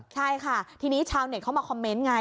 ใช่ค่ะทีนี้ชาวเน็ตเข้ามาคอมเมนต์ไง